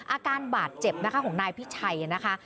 อาการบาดเจ็บของพี่ชัยนะคะ